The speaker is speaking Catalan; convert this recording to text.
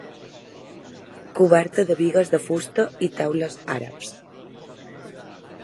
Coberta de bigues de fusta i teules àrabs.